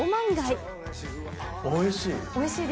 おいしい。